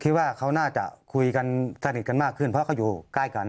คิดว่าเขาน่าจะคุยกันสนิทกันมากขึ้นเพราะเขาอยู่ใกล้กัน